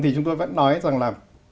thì chúng tôi vẫn nói rằng là